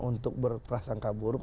untuk berperasangka buruk